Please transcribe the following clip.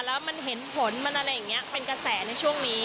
แล้วมันเห็นผลมันอะไรอย่างนี้เป็นกระแสในช่วงนี้